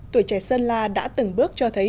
tuổi trẻ sơn la đã từng bước cho thấy